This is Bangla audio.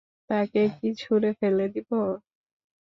তাকে কি ছুঁড়ে ফেলে দিব?